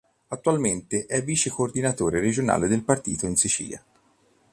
Attualmente è vice coordinatore regionale del partito in Sicilia.